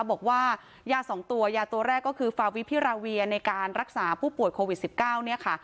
บอกว่ายา๒ตัวยาตัวแรกก็คือฟาวิพิราเวียในการรักษาผู้ป่วยโควิด๑๙เนี่ยค่ะ